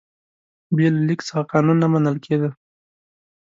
بې له لیک څخه قانون نه منل کېده.